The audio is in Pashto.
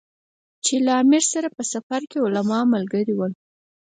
چې له امیر سره په سفر کې علما ملګري ول.